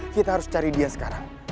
kita harus cari dia sekarang